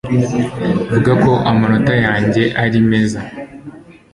vuga ko amanota yanjye ari meza